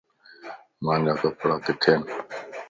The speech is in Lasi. مانجا ڪپڙا ڪٿي ائين